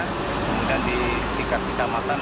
kemudian di tingkat kecamatan